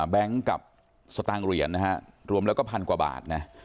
บลแรงกับสตางค์เหรียญรวมแล้วก็พันกว่าบาท